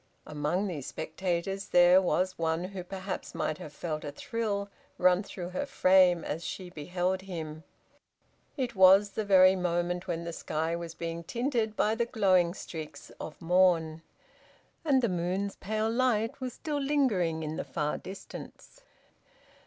Among these spectators there was one who perhaps might have felt a thrill run through her frame as she beheld him. It was the very moment when the sky was being tinted by the glowing streaks of morn, and the moon's pale light was still lingering in the far distance.